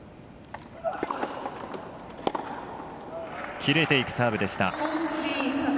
キレていくサーブでした。